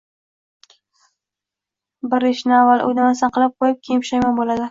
Bir ishni avval o'ylamasdan qilib ko'yib, keyin pushaymon bo'ladi.